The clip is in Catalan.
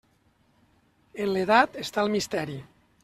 En l'edat està el misteri.